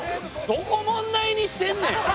どこ問題にしてんねん！